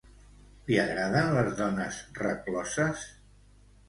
Li agraden les dones recloses?